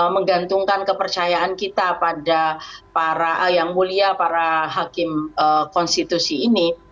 menggantungkan kepercayaan kita pada para yang mulia para hakim konstitusi ini